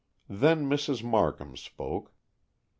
Then Mrs. Markham spoke.